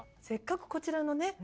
せっかくこちらのね